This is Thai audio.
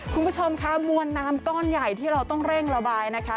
คุณผู้ชมค่ะมวลน้ำก้อนใหญ่ที่เราต้องเร่งระบายนะคะ